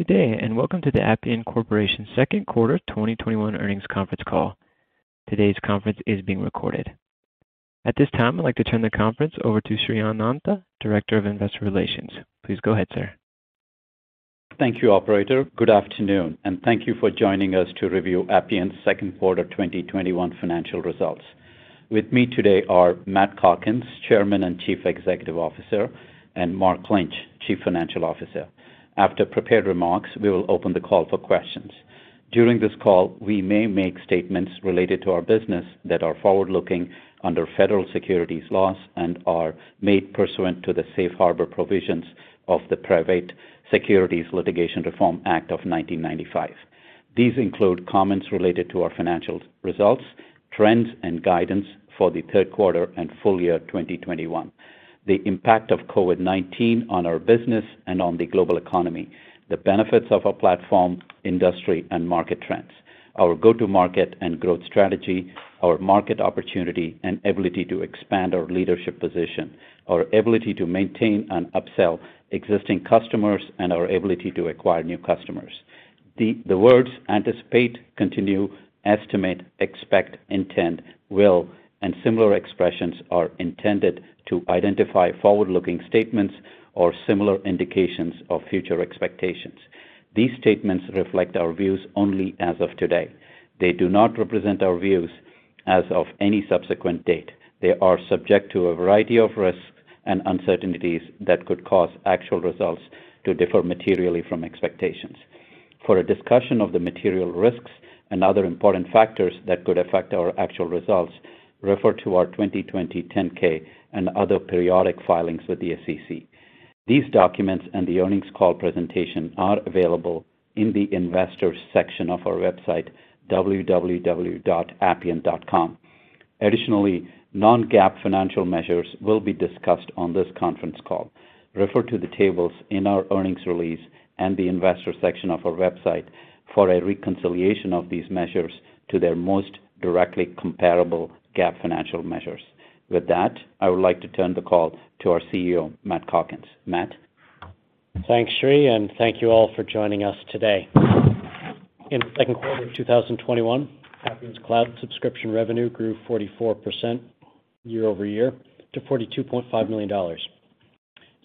Good day, and welcome to the Appian Corporation second quarter 2021 earnings conference call. Today's conference is being recorded. At this time, I'd like to turn the conference over to Sri Anantha, Director of Investor Relations. Please go ahead, sir. Thank you, operator. Good afternoon, and thank you for joining us to review Appian's second quarter 2021 financial results. With me today are Matt Calkins, Chairman and Chief Executive Officer, and Mark Lynch, Chief Financial Officer. After prepared remarks, we will open the call for questions. During this call, we may make statements related to our business that are forward-looking under federal securities laws and are made pursuant to the safe harbor provisions of the Private Securities Litigation Reform Act of 1995. These include comments related to our financial results, trends, and guidance for the third quarter and full year 2021, the impact of COVID-19 on our business and on the global economy, the benefits of our platform, industry, and market trends, our go-to-market and growth strategy, our market opportunity and ability to expand our leadership position, our ability to maintain and upsell existing customers, and our ability to acquire new customers. The words anticipate, continue, estimate, expect, intend, will, and similar expressions are intended to identify forward-looking statements or similar indications of future expectations. These statements reflect our views only as of today. They do not represent our views as of any subsequent date. They are subject to a variety of risks and uncertainties that could cause actual results to differ materially from expectations. For a discussion of the material risks and other important factors that could affect our actual results, refer to our 2020 10-K and other periodic filings with the SEC. These documents and the earnings call presentation are available in the Investors section of our website, www.appian.com. Additionally, non-GAAP financial measures will be discussed on this conference call. Refer to the tables in our earnings release and the Investors section of our website for a reconciliation of these measures to their most directly comparable GAAP financial measures. With that, I would like to turn the call to our CEO, Matt Calkins. Matt? Thanks, Sri, thank you all for joining us today. In the second quarter of 2021, Appian's cloud subscription revenue grew 44% year-over-year to $42.5 million.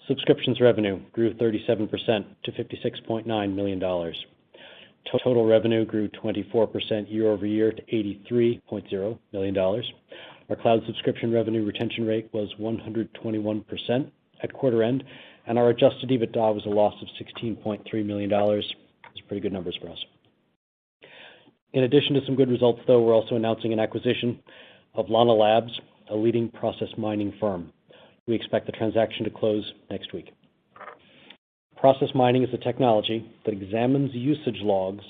Subscriptions revenue grew 37% to $56.9 million. Total revenue grew 24% year-over-year to $83.0 million. Our cloud subscription revenue retention rate was 121% at quarter end, and our adjusted EBITDA was a loss of $16.3 million. That's pretty good numbers for us. In addition to some good results, though, we're also announcing an acquisition of Lana Labs, a leading process mining firm. We expect the transaction to close next week. Process mining is a technology that examines usage logs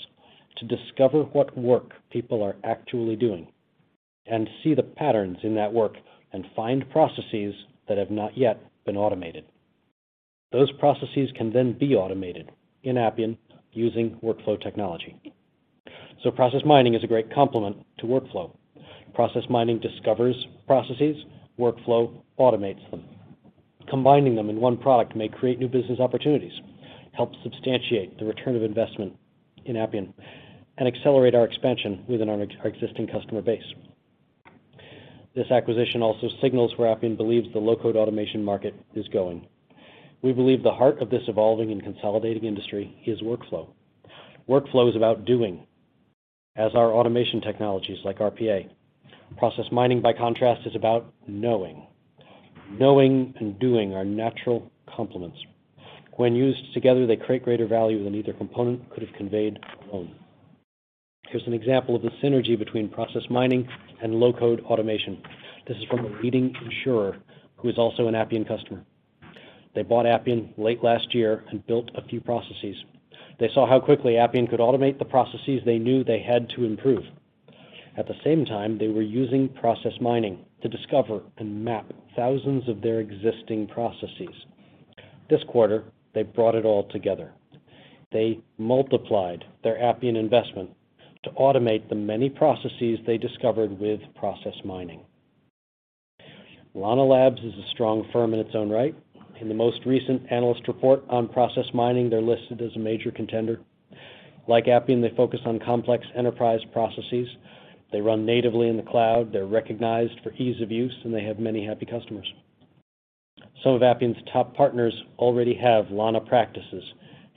to discover what work people are actually doing and see the patterns in that work and find processes that have not yet been automated. Those processes can then be automated in Appian using workflow technology. Process mining is a great complement to workflow. Process mining discovers processes, workflow automates them. Combining them in one product may create new business opportunities, help substantiate the return of investment in Appian, and accelerate our expansion within our existing customer base. This acquisition also signals where Appian believes the low-code automation market is going. We believe the heart of this evolving and consolidating industry is workflow. Workflow is about doing, as are automation technologies like RPA. Process mining, by contrast, is about knowing. Knowing and doing are natural complements. When used together, they create greater value than either component could have conveyed alone. Here's an example of the synergy between process mining and low-code automation. This is from a leading insurer who is also an Appian customer. They bought Appian late last year and built a few processes. They saw how quickly Appian could automate the processes they knew they had to improve. At the same time, they were using process mining to discover and map thousands of their existing processes. This quarter, they brought it all together. They multiplied their Appian investment to automate the many processes they discovered with process mining. Lana Labs is a strong firm in its own right. In the most recent analyst report on process mining, they're listed as a major contender. Like Appian, they focus on complex enterprise processes. They run natively in the cloud. They're recognized for ease of use, and they have many happy customers. Some of Appian's top partners already have Lana practices,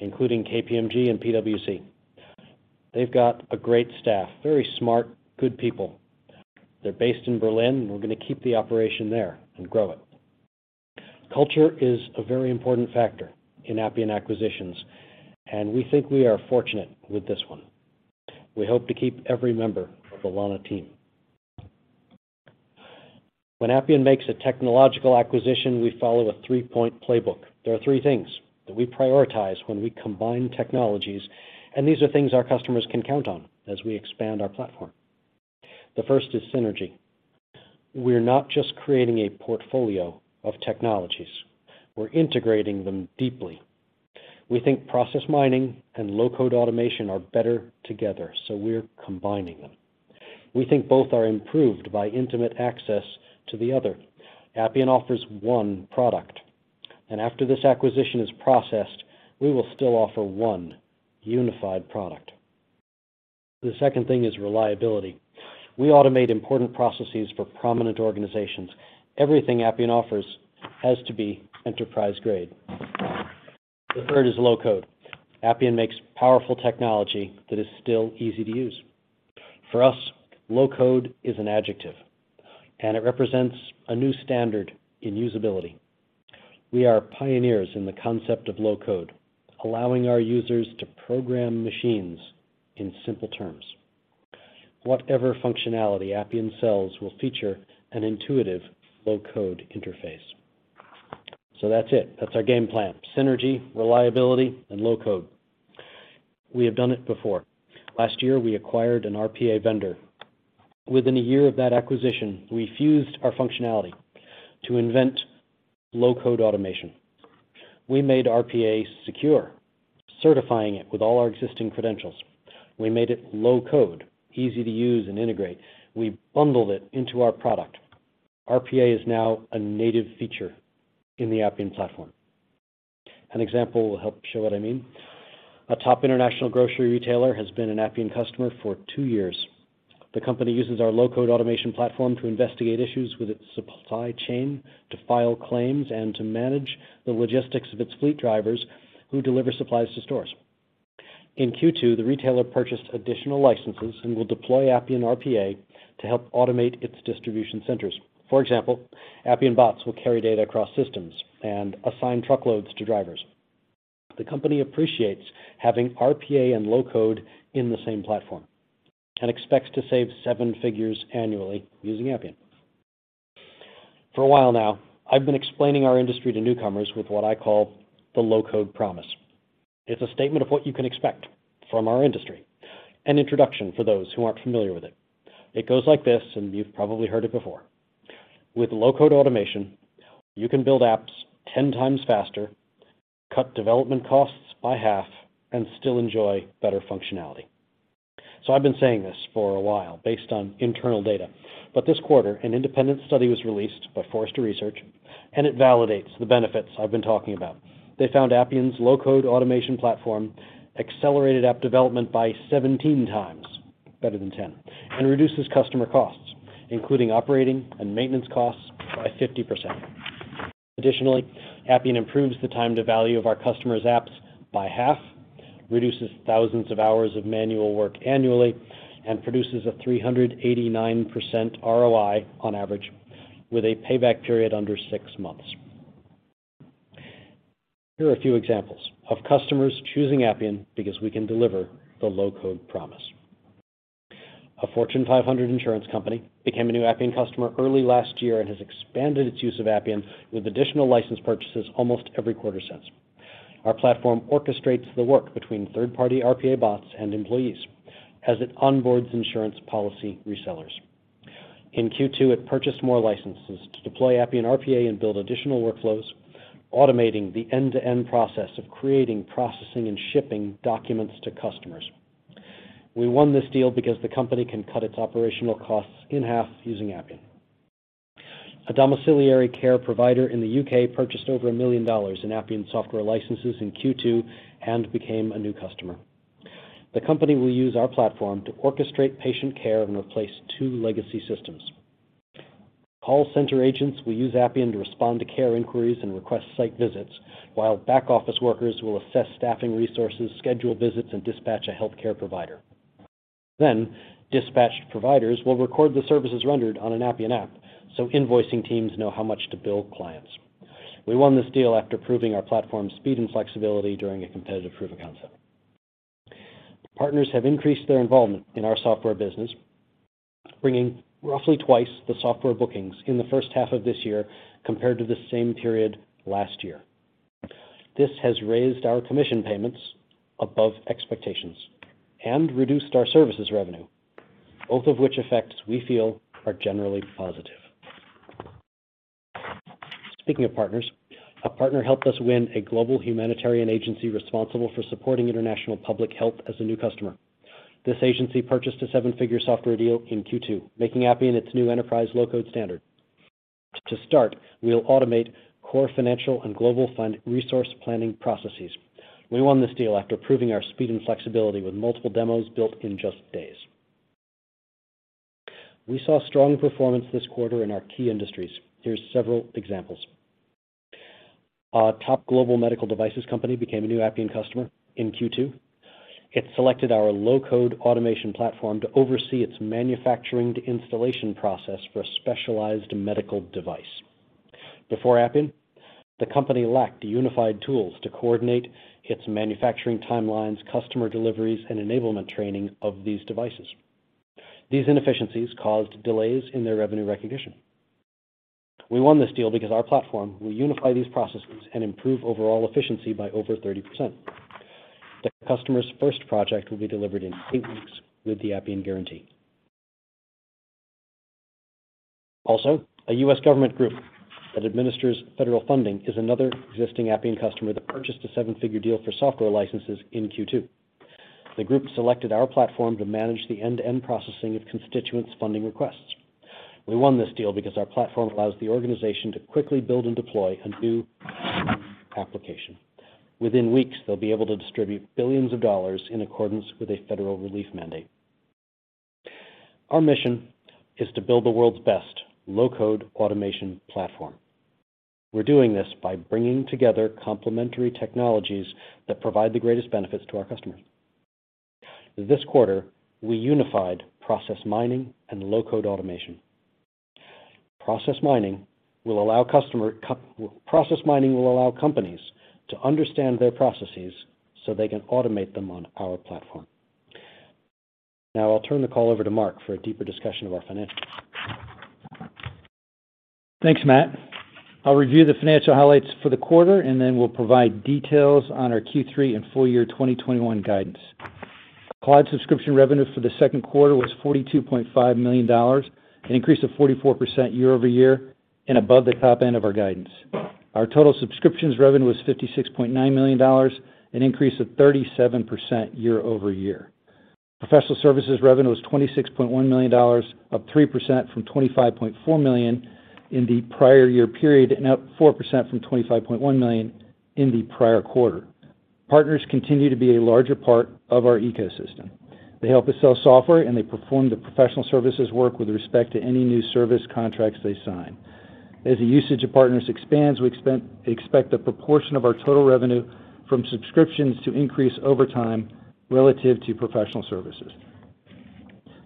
including KPMG and PwC. They've got a great staff, very smart, good people. They're based in Berlin, and we're going to keep the operation there and grow it. Culture is a very important factor in Appian acquisitions, and we think we are fortunate with this one. We hope to keep every member of the Lana team. When Appian makes a technological acquisition, we follow a three-point playbook. There are three things that we prioritize when we combine technologies, and these are things our customers can count on as we expand our platform. The first is synergy. We're not just creating a portfolio of technologies. We're integrating them deeply. We think process mining and low-code automation are better together, so we're combining them. We think both are improved by intimate access to the other. Appian offers one product, and after this acquisition is processed, we will still offer one unified product. The second thing is reliability. We automate important processes for prominent organizations. Everything Appian offers has to be enterprise-grade. The third is low code. Appian makes powerful technology that is still easy to use. For us, low code is an adjective, and it represents a new standard in usability. We are pioneers in the concept of low code, allowing our users to program machines in simple terms. Whatever functionality Appian sells will feature an intuitive low-code interface. That's it. That's our game plan. Synergy, reliability, and low code. We have done it before. Last year, we acquired an RPA vendor. Within a year of that acquisition, we fused our functionality to invent low-code automation. We made RPA secure, certifying it with all our existing credentials. We made it low code, easy to use and integrate. We bundled it into our product. RPA is now a native feature in the Appian platform. An example will help show what I mean. A top international grocery retailer has been an Appian customer for two years. The company uses our low-code automation platform to investigate issues with its supply chain, to file claims, and to manage the logistics of its fleet drivers who deliver supplies to stores. In Q2, the retailer purchased additional licenses and will deploy Appian RPA to help automate its distribution centers. For example, Appian bots will carry data across systems and assign truckloads to drivers. The company appreciates having RPA and low code in the same platform and expects to save seven figures annually using Appian. For a while now, I've been explaining our industry to newcomers with what I call the low-code promise. It's a statement of what you can expect from our industry. An introduction for those who aren't familiar with it. It goes like this, and you've probably heard it before. With low-code automation, you can build apps 10x faster, cut development costs by half, and still enjoy better functionality. I've been saying this for a while based on internal data. This quarter, an independent study was released by Forrester Research, and it validates the benefits I've been talking about. They found Appian's low-code automation platform accelerated app development by 17x, better than 10, and reduces customer costs, including operating and maintenance costs by 50%. Additionally, Appian improves the time to value of our customer's apps by half, reduces thousands of hours of manual work annually, and produces a 389% ROI on average with a payback period under six months. Here are a few examples of customers choosing Appian because we can deliver the low-code promise. A Fortune 500 insurance company became a new Appian customer early last year and has expanded its use of Appian with additional license purchases almost every quarter since. Our platform orchestrates the work between third-party RPA bots and employees as it onboards insurance policy resellers. In Q2, it purchased more licenses to deploy Appian RPA and build additional workflows, automating the end-to-end process of creating, processing, and shipping documents to customers. We won this deal because the company can cut its operational costs in half using Appian. A domiciliary care provider in the U.K. purchased over $1 million in Appian software licenses in Q2 and became a new customer. The company will use our platform to orchestrate patient care and replace two legacy systems. Call center agents will use Appian to respond to care inquiries and request site visits, while back-office workers will assess staffing resources, schedule visits, and dispatch a healthcare provider. Dispatched providers will record the services rendered on an Appian app so invoicing teams know how much to bill clients. We won this deal after proving our platform's speed and flexibility during a competitive proof of concept. Partners have increased their involvement in our software business, bringing roughly twice the software bookings in the first half of this year compared to the same period last year. This has raised our commission payments above expectations and reduced our services revenue, both of which effects we feel are generally positive. Speaking of partners, a partner helped us win a global humanitarian agency responsible for supporting international public health as a new customer. This agency purchased a seven-figure software deal in Q2, making Appian its new enterprise low-code standard. To start, we'll automate core financial and global fund resource planning processes. We won this deal after proving our speed and flexibility with multiple demos built in just days. We saw strong performance this quarter in our key industries. Here's several examples. A top global medical devices company became a new Appian customer in Q2. It selected our low-code automation platform to oversee its manufacturing-to-installation process for a specialized medical device. Before Appian, the company lacked unified tools to coordinate its manufacturing timelines, customer deliveries, and enablement training of these devices. These inefficiencies caused delays in their revenue recognition. We won this deal because our platform will unify these processes and improve overall efficiency by over 30%. The customer's first project will be delivered in eight weeks with the Appian Guarantee. Also, a U.S. government group that administers federal funding is another existing Appian customer that purchased a seven-figure deal for software licenses in Q2. The group selected our platform to manage the end-to-end processing of constituents' funding requests. We won this deal because our platform allows the organization to quickly build and deploy a new application. Within weeks, they'll be able to distribute billions of dollars in accordance with a federal relief mandate. Our mission is to build the world's best low-code automation platform. We're doing this by bringing together complementary technologies that provide the greatest benefits to our customers. This quarter, we unified process mining and low-code automation. Process mining will allow companies to understand their processes so they can automate them on our platform. I'll turn the call over to Mark for a deeper discussion of our financials. Thanks, Matt. I'll review the financial highlights for the quarter, and then we'll provide details on our Q3 and full year 2021 guidance. Cloud subscription revenue for the second quarter was $42.5 million, an increase of 44% year-over-year and above the top end of our guidance. Our total subscriptions revenue was $56.9 million, an increase of 37% year-over-year. Professional services revenue was $26.1 million, up 3% from $25.4 million in the prior year period, and up 4% from $25.1 million in the prior quarter. Partners continue to be a larger part of our ecosystem. They help us sell software, and they perform the professional services work with respect to any new service contracts they sign. As the usage of partners expands, we expect the proportion of our total revenue from subscriptions to increase over time relative to professional services.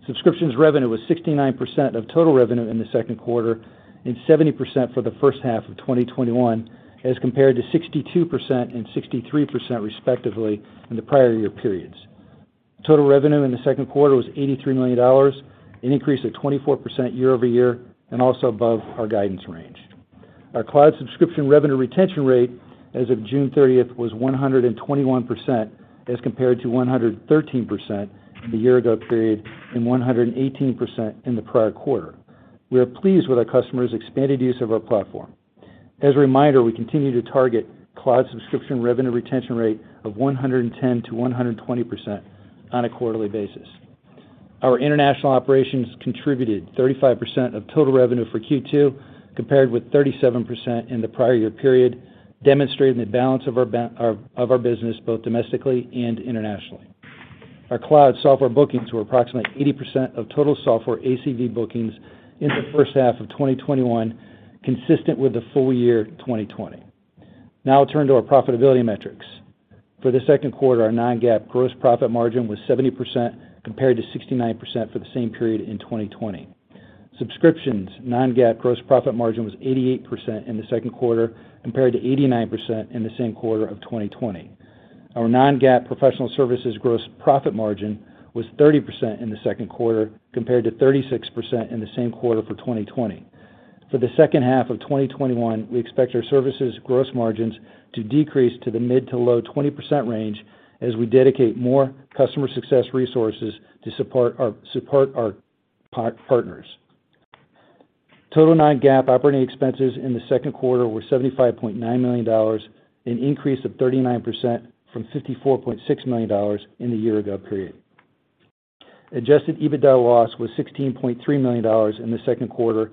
Subscriptions revenue was 69% of total revenue in the second quarter and 70% for the first half of 2021, as compared to 62% and 63%, respectively, in the prior year periods. Total revenue in the second quarter was $83 million, an increase of 24% year-over-year, and also above our guidance range. Our cloud subscription revenue retention rate as of June 30th was 121%, as compared to 113% in the year-ago period and 118% in the prior quarter. We are pleased with our customers' expanded use of our platform. As a reminder, we continue to target cloud subscription revenue retention rate of 110%-120% on a quarterly basis. Our international operations contributed 35% of total revenue for Q2, compared with 37% in the prior year period, demonstrating the balance of our business, both domestically and internationally. Our cloud software bookings were approximately 80% of total software ACV bookings in the first half of 2021, consistent with the full year 2020. I'll turn to our profitability metrics. For the second quarter, our non-GAAP gross profit margin was 70%, compared to 69% for the same period in 2020. Subscriptions non-GAAP gross profit margin was 88% in the second quarter, compared to 89% in the same quarter of 2020. Our non-GAAP professional services gross profit margin was 30% in the second quarter, compared to 36% in the same quarter for 2020. For the second half of 2021, we expect our services gross margins to decrease to the mid to low 20% range as we dedicate more customer success resources to support our partners. Total non-GAAP operating expenses in the second quarter were $75.9 million, an increase of 39% from $54.6 million in the year ago period. Adjusted EBITDA loss was $16.3 million in the second quarter,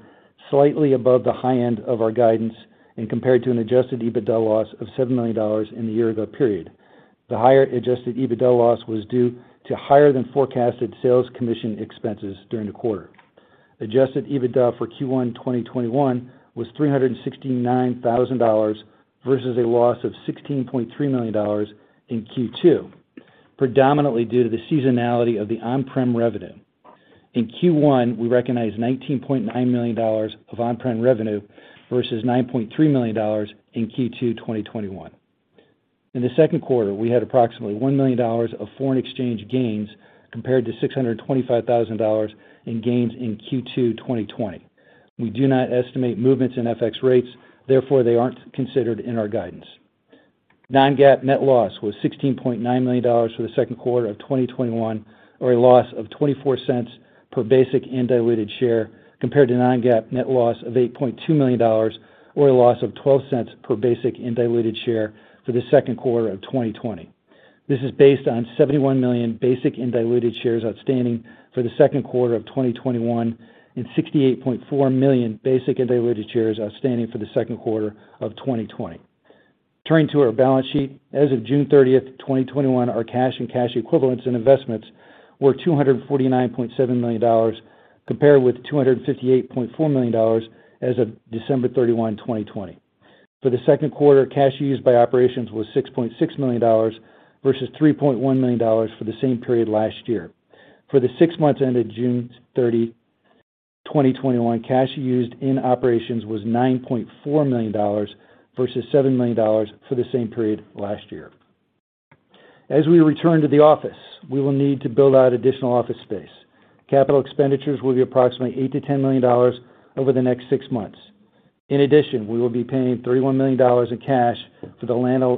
slightly above the high end of our guidance and compared to an adjusted EBITDA loss of $7 million in the year ago period. The higher adjusted EBITDA loss was due to higher than forecasted sales commission expenses during the quarter. Adjusted EBITDA for Q1 2021 was $369,000, versus a loss of $16.3 million in Q2, predominantly due to the seasonality of the on-prem revenue. In Q1, we recognized $19.9 million of on-prem revenue versus $9.3 million in Q2 2021. In the second quarter, we had approximately $1 million of foreign exchange gains, compared to $625,000 in gains in Q2 2020. We do not estimate movements in FX rates, therefore, they aren't considered in our guidance. Non-GAAP net loss was $16.9 million for the second quarter of 2021, or a loss of $0.24 per basic and diluted share, compared to non-GAAP net loss of $8.2 million or a loss of $0.12 per basic and diluted share for the second quarter of 2020. This is based on 71 million basic and diluted shares outstanding for the second quarter of 2021 and 68.4 million basic and diluted shares outstanding for the second quarter of 2020. Turning to our balance sheet. As of June 30th, 2021, our cash and cash equivalents and investments were $249.7 million, compared with $258.4 million as of December 31, 2020. For the second quarter, cash used by operations was $6.6 million, versus $3.1 million for the same period last year. For the six months ended June 30, 2021, cash used in operations was $9.4 million versus $7 million for the same period last year. As we return to the office, we will need to build out additional office space. Capital expenditures will be approximately $8 million-$10 million over the next six months. In addition, we will be paying $31 million in cash for the Lana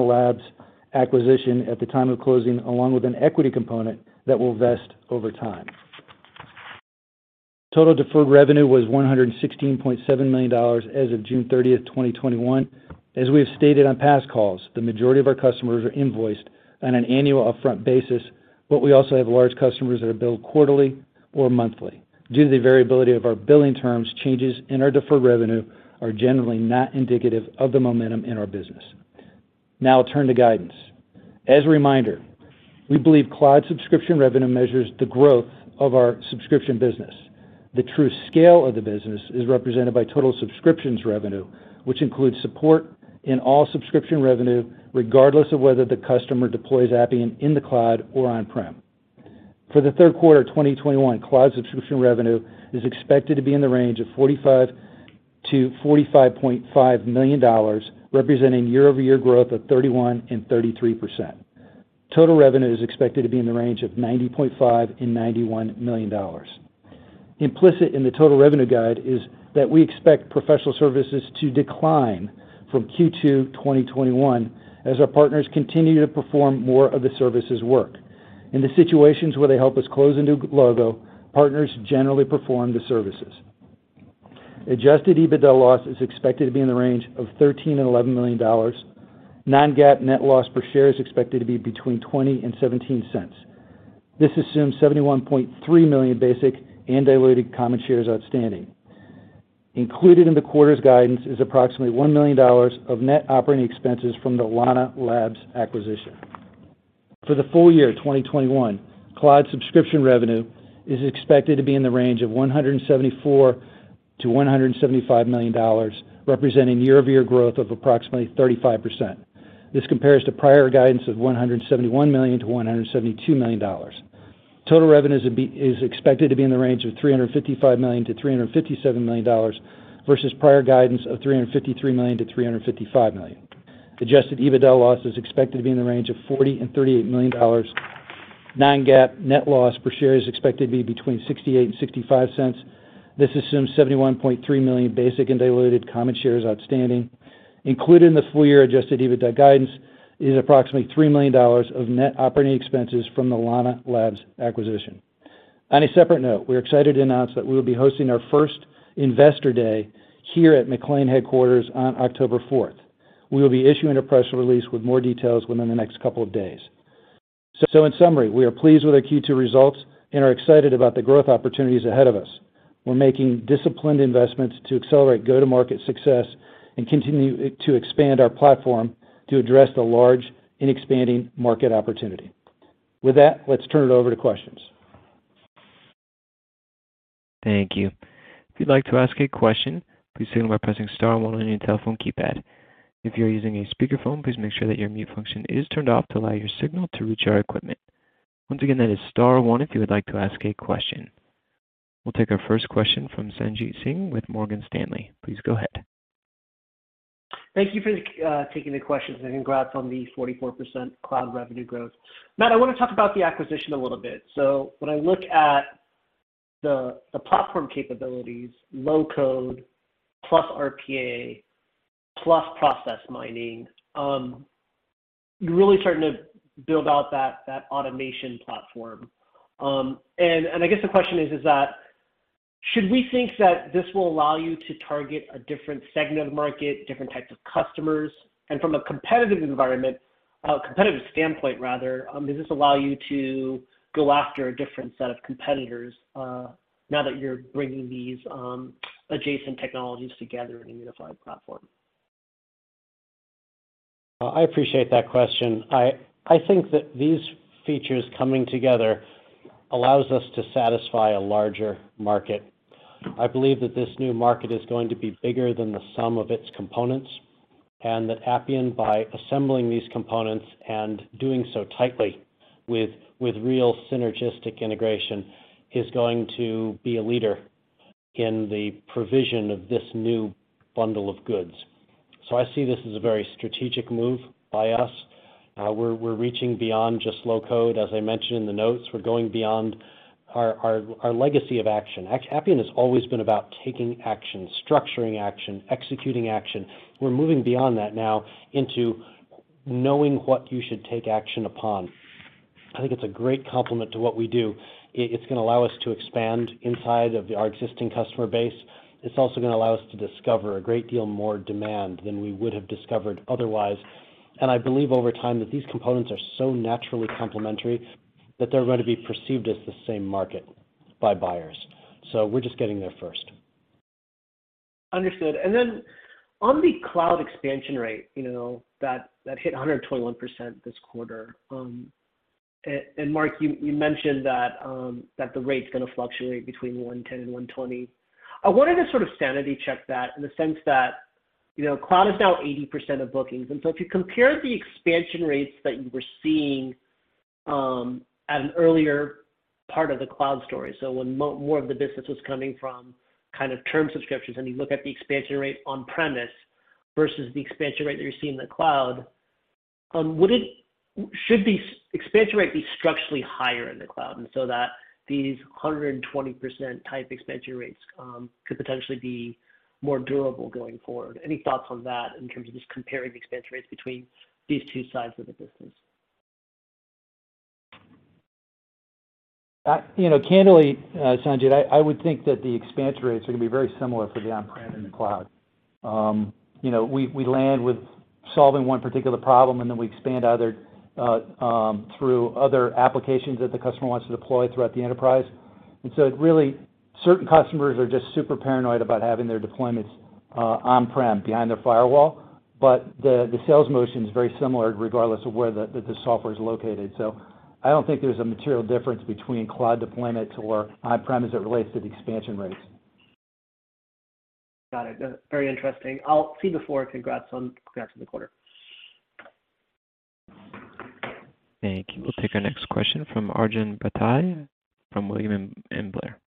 Labs acquisition at the time of closing, along with an equity component that will vest over time. Total deferred revenue was $116.7 million as of June 30th, 2021. As we have stated on past calls, the majority of our customers are invoiced on an annual upfront basis, but we also have large customers that are billed quarterly or monthly. Due to the variability of our billing terms, changes in our deferred revenue are generally not indicative of the momentum in our business. Now I'll turn to guidance. As a reminder, we believe cloud subscription revenue measures the growth of our subscription business. The true scale of the business is represented by total subscriptions revenue, which includes support in all subscription revenue, regardless of whether the customer deploys Appian in the cloud or on-prem. For the third quarter 2021, cloud subscription revenue is expected to be in the range of $45-$45.5 million, representing year-over-year growth of 31% and 33%. Total revenue is expected to be in the range of $90.5-$91 million. Implicit in the total revenue guide is that we expect professional services to decline from Q2 2021 as our partners continue to perform more of the services work. In the situations where they help us close a new logo, partners generally perform the services. Adjusted EBITDA loss is expected to be in the range of $13 million and $11 million. Non-GAAP net loss per share is expected to be between $0.17 and $0.20. This assumes 71.3 million basic and diluted common shares outstanding. Included in the quarter's guidance is approximately $1 million of net operating expenses from the Lana Labs acquisition. For the full year 2021, cloud subscription revenue is expected to be in the range of $174 million-$175 million, representing year-over-year growth of approximately 35%. This compares to prior guidance of $171 million-$172 million. Total revenue is expected to be in the range of $355 million-$357 million versus prior guidance of $353 million-$355 million. Adjusted EBITDA loss is expected to be in the range of $40 million and $38 million. Non-GAAP net loss per share is expected to be between $0.68 and $0.65. This assumes 71.3 million basic and diluted common shares outstanding. Included in the full-year adjusted EBITDA guidance is approximately $3 million of net operating expenses from the Lana Labs acquisition. On a separate note, we are excited to announce that we will be hosting our first Investor Day here at McLean headquarters on October 4th. We will be issuing a press release with more details within the next couple of days. In summary, we are pleased with our Q2 results and are excited about the growth opportunities ahead of us. We're making disciplined investments to accelerate go-to-market success and continue to expand our platform to address the large and expanding market opportunity. With that, let's turn it over to questions. Thank you. If you'd like to ask a question, please signal by pressing star one on your telephone keypad. If you're using a speakerphone, please make sure that your mute function is turned off to allow your signal to reach our equipment. Once again, that is star one if you would like to ask a question. We'll take our first question from Sanjit Singh with Morgan Stanley. Please go ahead. Thank you for taking the questions, and congrats on the 44% cloud revenue growth. Matt, I want to talk about the acquisition a little bit. When I look at the platform capabilities, low code plus RPA plus process mining, you're really starting to build out that automation platform. I guess the question is that should we think that this will allow you to target a different segment of the market, different types of customers? From a competitive environment, competitive standpoint rather, does this allow you to go after a different set of competitors, now that you're bringing these adjacent technologies together in a unified platform? I appreciate that question. I think that these features coming together allows us to satisfy a larger market. I believe that this new market is going to be bigger than the sum of its components, and that Appian, by assembling these components and doing so tightly with real synergistic integration, is going to be a leader in the provision of this new bundle of goods. I see this as a very strategic move by us. We're reaching beyond just low-code, as I mentioned in the notes. We're going beyond our legacy of action. Appian has always been about taking action, structuring action, executing action. We're moving beyond that now into knowing what you should take action upon. I think it's a great complement to what we do. It's going to allow us to expand inside of our existing customer base. It's also going to allow us to discover a great deal more demand than we would have discovered otherwise. I believe over time that these components are so naturally complementary that they're going to be perceived as the same market by buyers. We're just getting there first. Understood. On the cloud expansion rate, that hit 121% this quarter. Mark, you mentioned that the rate's going to fluctuate between 110 and 120. I wanted to sort of sanity check that in the sense that cloud is now 80% of bookings, and so if you compare the expansion rates that you were seeing at an earlier part of the cloud story, so when more of the business was coming from term subscriptions, and you look at the expansion rate on-premise versus the expansion rate that you're seeing in the cloud? Should the expansion rate be structurally higher in the cloud, and so that these 120%-type expansion rates could potentially be more durable going forward? Any thoughts on that in terms of just comparing expansion rates between these two sides of the business? Candidly, Sanjit, I would think that the expansion rates are going to be very similar for the on-prem and the cloud. We land with solving one particular problem, and then we expand through other applications that the customer wants to deploy throughout the enterprise. Really, certain customers are just super paranoid about having their deployments on-prem, behind their firewall. The sales motion is very similar regardless of where the software's located. I don't think there's a material difference between cloud deployment or on-prem as it relates to the expansion rates. Got it. Very interesting. I'll see you before. Congrats on the quarter. Thank you. We'll take our next question from Arjun Bhatia from William Blair.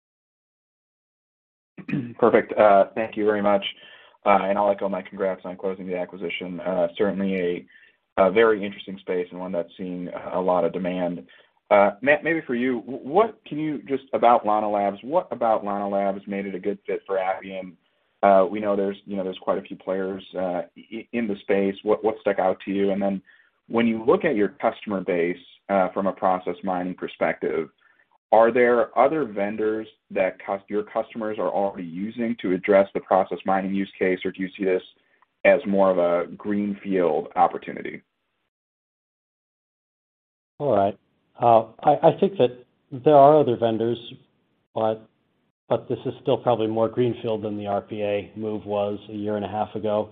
Perfect. Thank you very much. I'll echo my congrats on closing the acquisition. Certainly a very interesting space and one that's seeing a lot of demand. Matt, maybe for you, about Lana Labs, what about Lana Labs made it a good fit for Appian? We know there's quite a few players in the space. What stuck out to you? When you look at your customer base from a process mining perspective, are there other vendors that your customers are already using to address the process mining use case, or do you see this as more of a greenfield opportunity? All right. I think that there are other vendors, but this is still probably more greenfield than the RPA move was a year and a half ago.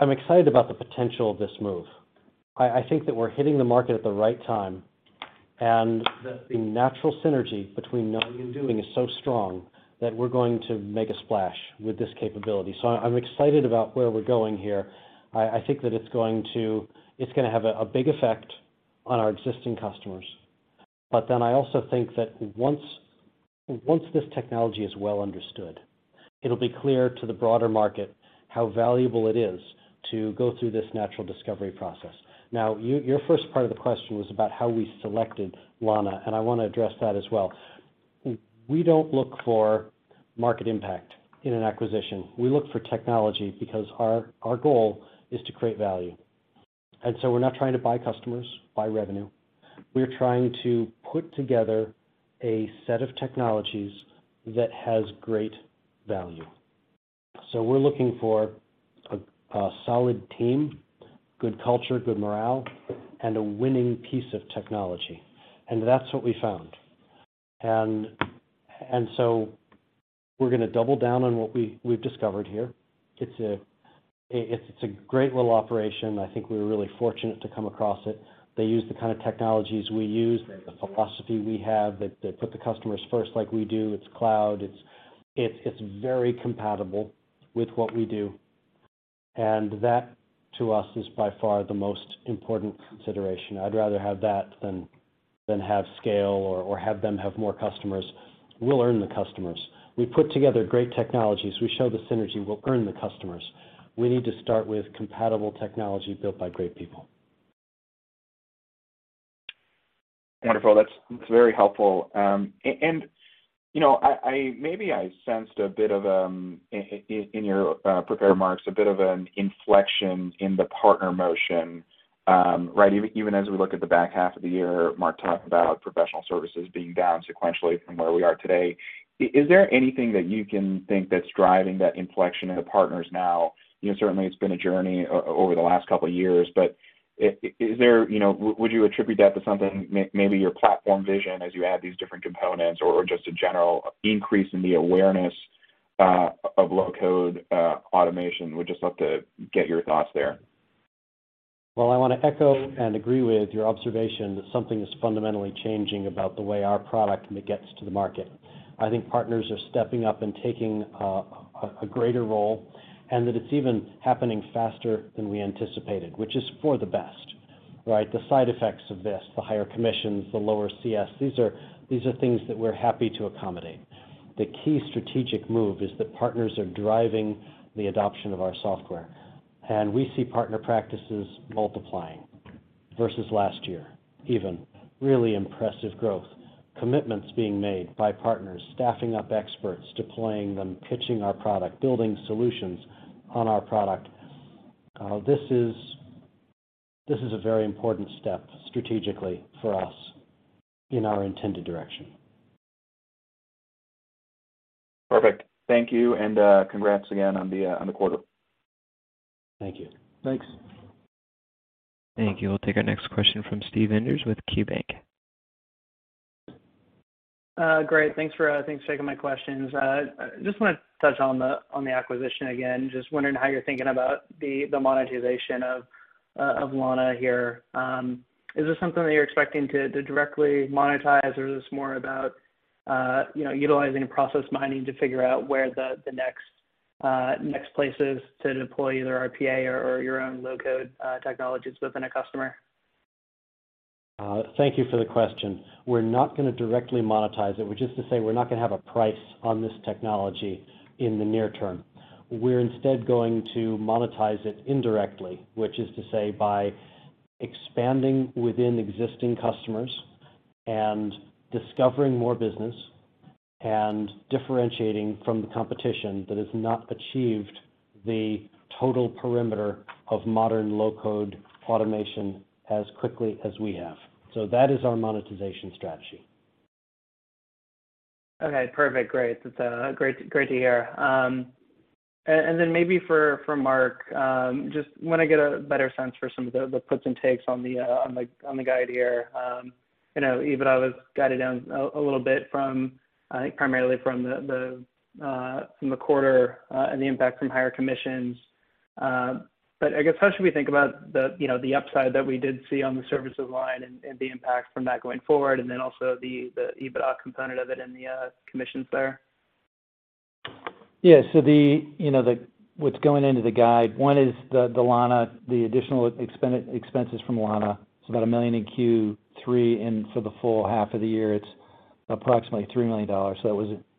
I'm excited about the potential of this move. I think that we're hitting the market at the right time, and that the natural synergy between knowing and doing is so strong that we're going to make a splash with this capability. I'm excited about where we're going here. I think that it's going to have a big effect on our existing customers. I also think that once this technology is well understood, it'll be clear to the broader market how valuable it is to go through this natural discovery process. Your first part of the question was about how we selected Lana, and I want to address that as well. We don't look for market impact in an acquisition. We look for technology because our goal is to create value. We're not trying to buy customers, buy revenue. We're trying to put together a set of technologies that has great value. We're looking for a solid team, good culture, good morale, and a winning piece of technology. That's what we found. We're going to double down on what we've discovered here. It's a great little operation. I think we were really fortunate to come across it. They use the kind of technologies we use. They have the philosophy we have, that they put the customers first like we do. It's cloud. It's very compatible with what we do. That, to us, is by far the most important consideration. I'd rather have that than have scale or have them have more customers. We'll earn the customers. We put together great technologies. We show the synergy. We'll earn the customers. We need to start with compatible technology built by great people. Wonderful. That's very helpful. Maybe I sensed, in your prepared remarks, a bit of an inflection in the partner motion. Even as we look at the back half of the year, Mark talked about professional services being down sequentially from where we are today. Would you attribute that to something, maybe your platform vision as you add these different components or just a general increase in the awareness of low-code automation? Would just love to get your thoughts there. Well, I want to echo and agree with your observation that something is fundamentally changing about the way our product gets to the market. I think partners are stepping up and taking a greater role, and that it's even happening faster than we anticipated, which is for the best, right? The side effects of this, the higher commissions, the lower CS, these are things that we're happy to accommodate. The key strategic move is that partners are driving the adoption of our software. We see partner practices multiplying versus last year, even really impressive growth, commitments being made by partners, staffing up experts, deploying them, pitching our product, building solutions on our product. This is a very important step strategically for us in our intended direction. Perfect. Thank you, and congrats again on the quarter. Thank you. Thanks. Thank you. We'll take our next question from Steve Enders with KeyBanc. Great. Thanks for taking my questions. Just want to touch on the acquisition again. Just wondering how you're thinking about the monetization of Lana here. Is this something that you're expecting to directly monetize, or is this more about utilizing process mining to figure out where the next place is to deploy either RPA or your own low-code technologies within a customer? Thank you for the question. We're not going to directly monetize it, which is to say, we're not going to have a price on this technology in the near term. We're instead going to monetize it indirectly, which is to say, by expanding within existing customers and discovering more business, and differentiating from the competition that has not achieved the total perimeter of modern low-code automation as quickly as we have. That is our monetization strategy. Okay, perfect. Great. That's great to hear. Maybe for Mark, just want to get a better sense for some of the puts and takes on the guide here. EBITDA was guided down a little bit, I think primarily from the quarter, and the impact from higher commissions. I guess, how should we think about the upside that we did see on the services line and the impact from that going forward, and then also the EBITDA component of it and the commissions there? Yeah. What's going into the guide, one is the additional expenses from Lana Labs. It's about $1 million in Q3, and for the full half of the year, it's approximately $3 million.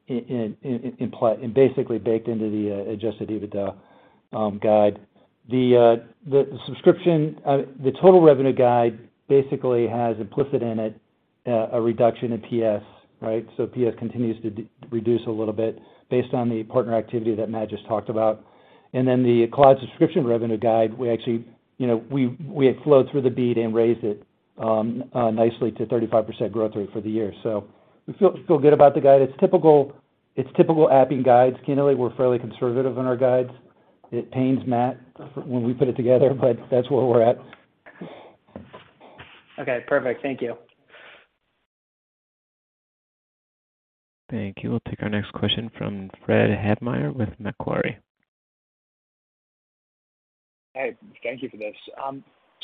It was basically baked into the adjusted EBITDA guide. The total revenue guide basically has implicit in it a reduction in PS, right? PS continues to reduce a little bit based on the partner activity that Matt Calkins just talked about. The cloud subscription revenue guide, we had flowed through the beat and raised it nicely to 35% growth rate for the year. We feel good about the guide. It's typical Appian guides. Generally, we're fairly conservative in our guides. It pains Matt Calkins when we put it together, but that's where we're at. Okay, perfect. Thank you. Thank you. We'll take our next question from Fred Havemeyer with Macquarie. Hey, thank you for this.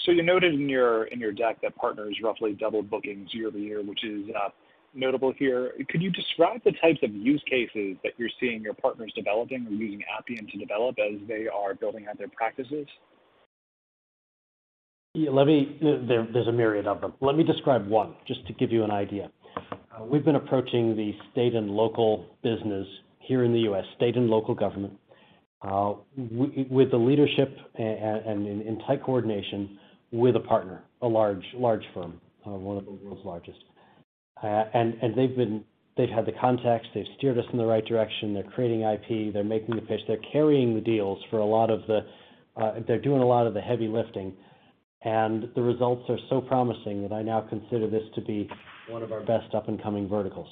You noted in your deck that partners roughly doubled bookings year-over-year, which is notable here. Could you describe the types of use cases that you're seeing your partners developing or using Appian to develop as they are building out their practices? There's a myriad of them. Let me describe one, just to give you an idea. We've been approaching the state and local business here in the U.S., state and local government, with the leadership and in tight coordination with a partner, a large firm, one of the world's largest. They've had the contacts, they've steered us in the right direction, they're creating IP, they're making the pitch, they're carrying the deals. They're doing a lot of the heavy lifting, and the results are so promising that I now consider this to be one of our best up-and-coming verticals.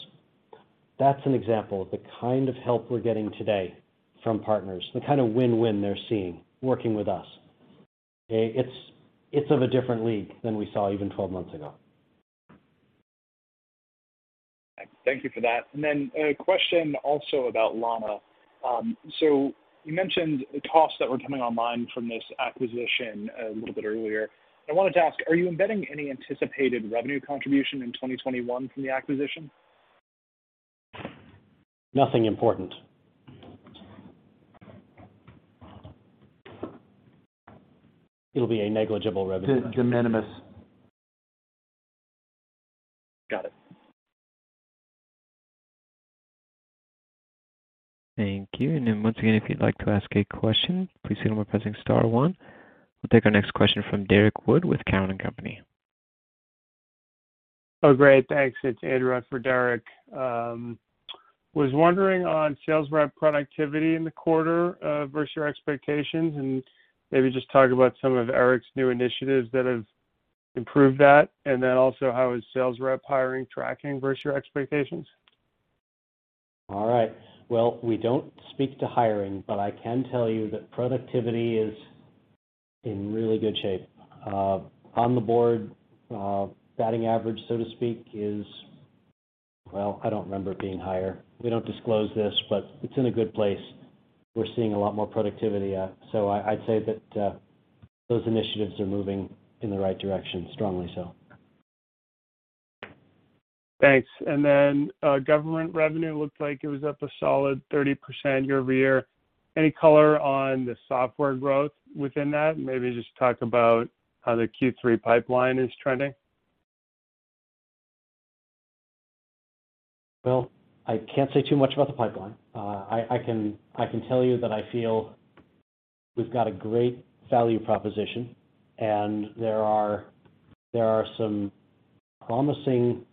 That's an example of the kind of help we're getting today from partners, the kind of win-win they're seeing working with us. Okay. It's of a different league than we saw even 12 months ago. Thank you for that. A question also about Lana. You mentioned costs that were coming online from this acquisition a little bit earlier. I wanted to ask, are you embedding any anticipated revenue contribution in 2021 from the acquisition? Nothing important. It'll be a negligible revenue. De minimis. Got it. Thank you. Once again, if you'd like to ask a question, please signal by pressing star one. We'll take our next question from Derrick Wood with Cowen and Company. Oh, great. Thanks. It's Andrew in for Derrick. Was wondering on sales rep productivity in the quarter versus your expectations. Maybe just talk about some of Eric's new initiatives that have improved that. How is sales rep hiring tracking versus your expectations? All right. Well, we don't speak to hiring, but I can tell you that productivity is in really good shape. On the board, batting average, so to speak, is Well, I don't remember it being higher. We don't disclose this, but it's in a good place. We're seeing a lot more productivity. I'd say that those initiatives are moving in the right direction, strongly so. Thanks. Government revenue looked like it was up a solid 30% year-over-year. Any color on the software growth within that? Maybe just talk about how the Q3 pipeline is trending. Well, I can't say too much about the pipeline. I can tell you that I feel we've got a great value proposition. There are some promising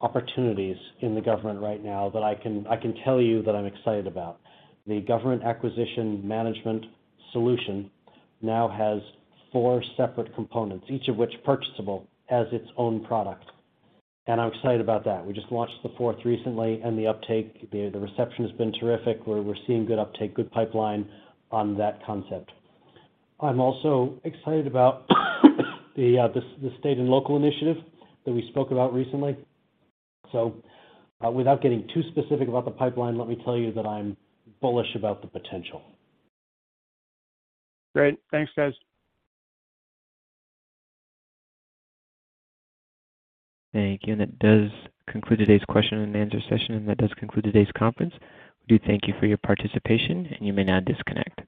opportunities in the government right now that I can tell you that I'm excited about. The government acquisition management solution now has four separate components, each of which purchasable as its own product. I'm excited about that. We just launched the fourth recently. The reception has been terrific. We're seeing good uptake, good pipeline on that concept. I'm also excited about the state and local initiative that we spoke about recently. Without getting too specific about the pipeline, let me tell you that I'm bullish about the potential. Great. Thanks, guys. Thank you. That does conclude today's question and answer session, and that does conclude today's conference. We do thank you for your participation, and you may now disconnect.